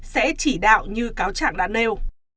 sẽ chỉ đạo như cáo trạng đã nêu